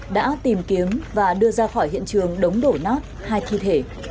đã tìm kiếm và đưa ra khỏi hiện trường đống đổ nát hai thi thể